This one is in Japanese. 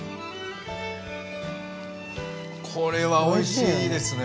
これはおいしいですね。